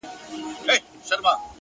جودائي دي زه بي وخته په ملا مات کړم